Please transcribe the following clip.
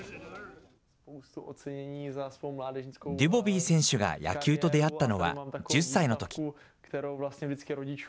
ドゥボビー選手が野球と出会ったのは１０歳のとき。